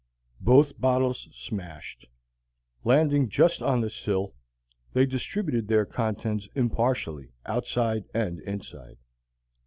Both bottles smashed. Landing just on the sill, they distributed their contents impartially outside and inside.